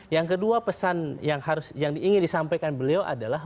yang kedua pesan yang ingin disampaikan beliau adalah